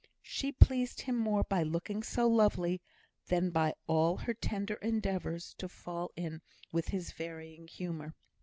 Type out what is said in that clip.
She pleased him more by looking so lovely than by all her tender endeavours to fall in with his varying humour.